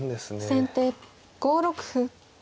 先手５六歩。